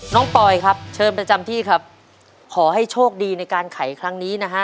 ปอยครับเชิญประจำที่ครับขอให้โชคดีในการไขครั้งนี้นะฮะ